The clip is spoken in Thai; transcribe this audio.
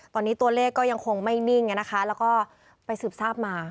ตอนนี้ตัวเลขก็ยังคงไม่นิ่งนะคะแล้วก็ไปสืบทราบมา